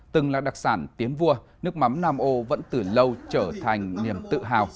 từng là đặc sản tiến vua nước mắm nam ô vẫn từ lâu trở thành niềm tự hào